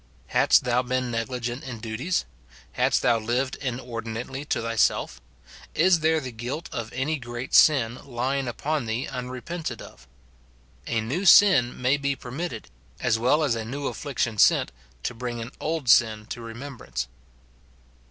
Hadst thou been negligent in duties ? Hadst thou lived inordinately to thyself? Is there the guilt of any great sin lying upon thee unrepented of ? A new sin may he permitted, as well as a neiv affliction sent, to bring an old sin to remembrance.